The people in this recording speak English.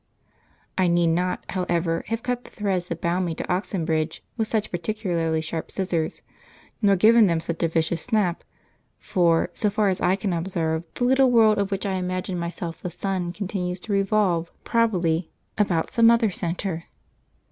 I need not, however, have cut the threads that bound me to Oxenbridge with such particularly sharp scissors, nor given them such a vicious snap; for, so far as I can observe, the little world of which I imagined myself the sun continues to revolve, and, probably, about some other centre.